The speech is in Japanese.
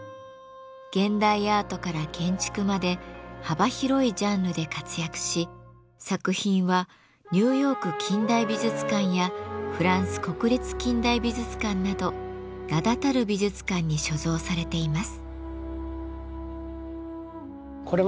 現代アートから建築まで幅広いジャンルで活躍し作品はニューヨーク近代美術館やフランス国立近代美術館など名だたる美術館に所蔵されています。